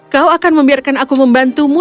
kau akan membiarkan aku membantumu